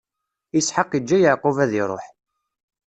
Isḥaq iǧǧa Yeɛqub ad iṛuḥ.